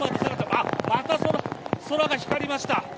あっ、また空が光りました。